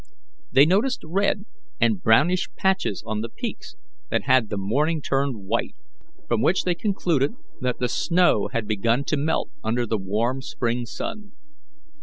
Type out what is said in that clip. They noticed red and brownish patches on the peaks that had that morning turned white, from which they concluded that the show had begun to melt under the warm spring sun.